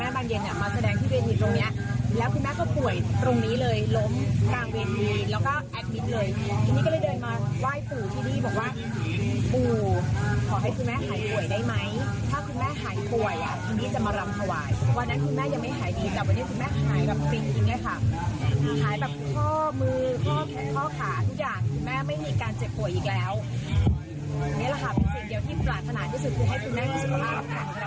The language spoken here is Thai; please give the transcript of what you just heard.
วันนี้แหละค่ะเป็นสิ่งเดียวที่สลอดขนาดที่สุดคือให้คุณแม่สุขภาพแข็งแรง